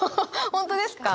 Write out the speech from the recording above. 本当ですか？